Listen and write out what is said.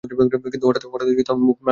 কিন্তু হঠাৎ তার মুখ ম্লান হয়ে যায়।